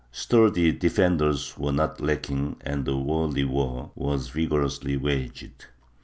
Sturdy defenders were not lacking and the wordy war was vigorously waged.